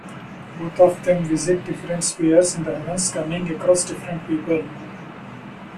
Both of them visit different spheres in the heavens coming across different people.